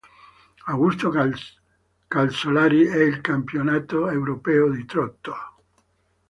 Augusto Calzolari e il Campionato europeo di trotto.